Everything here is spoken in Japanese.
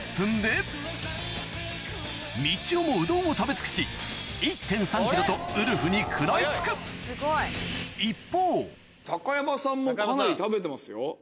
みちおもうどんを食べ尽くしウルフに食らいつく一方山さんもかなり食べてますよ。